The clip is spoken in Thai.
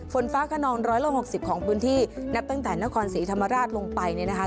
ฝนฟ้าขนองร้อยละหกสิบของพื้นที่นับตั้งแต่นครศรีธรรมราชลงไปเนี่ยนะคะ